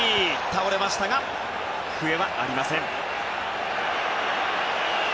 倒れましたが、笛は鳴りません。